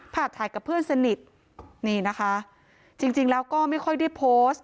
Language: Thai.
ถ่ายกับเพื่อนสนิทนี่นะคะจริงแล้วก็ไม่ค่อยได้โพสต์